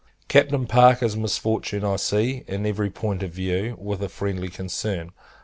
Captain Parker's misfortune, I see, in every point of view, with a friendly concern.